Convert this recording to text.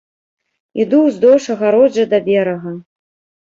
Іду ўздоўж агароджы да берага.